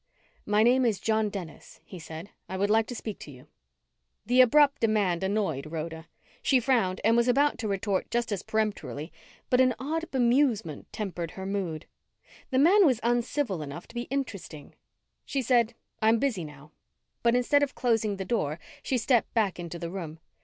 "My name is John Dennis," he said. "I would like to speak to you." The abrupt demand annoyed Rhoda. She frowned and was about to retort just as peremptorily, but an odd bemusement tempered her mood. The man was uncivil enough to be interesting. She said, "I'm busy now," but instead of closing the door, she stepped back into the room.